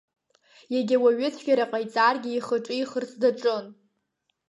Иагьа уаҩыцәгьара ҟаиҵаргьы, ихы ҿихырц даҿын.